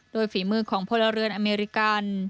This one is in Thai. โดยฝีมือของพลเรือนอเมริกัน